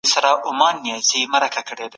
سياسي قدرت بايد د خلګو د ځپلو لپاره ونه کارول سي.